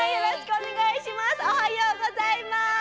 おはようございます！